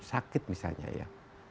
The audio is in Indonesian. sakit misalnya ya